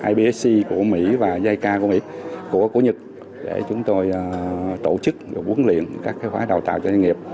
ibsc của mỹ và jica của nhật để chúng tôi tổ chức và huấn luyện các khóa đào tạo cho doanh nghiệp